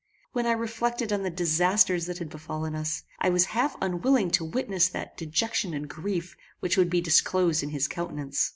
When I reflected on the disasters that had befallen us, I was half unwilling to witness that dejection and grief which would be disclosed in his countenance.